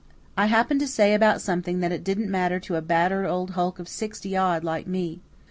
I happened to say about something that it didn't matter to a battered old hulk of sixty odd like me.